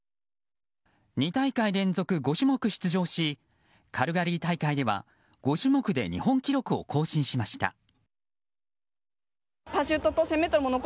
２大会連続５種目出場しカルガリー大会では５種目で日本記録を更新しました。